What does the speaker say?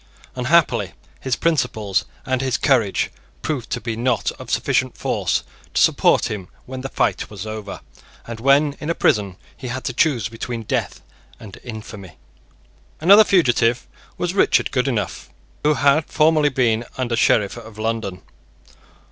Unhappily his principles and his courage proved to be not of sufficient force to support him when the fight was over, and when in a prison, he had to choose between death and infamy. Another fugitive was Richard Goodenough, who had formerly been Under Sheriff of London.